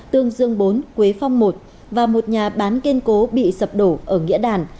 tương dương bốn quế phong một và một nhà bán kiên cố bị sập đổ ở nghĩa đàn